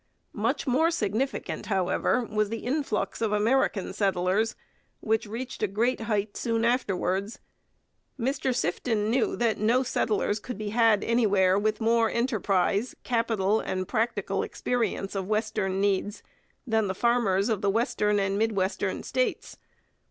Much more significant, however, was the influx of American settlers, which reached a great height soon afterwards. Mr Sifton knew that no settlers could be had anywhere with more enterprise, capital, and practical experience of western needs than the farmers of the western and mid western states.